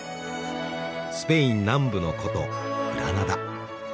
スペイン南部の古都グラナダ。